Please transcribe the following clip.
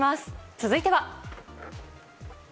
続いては。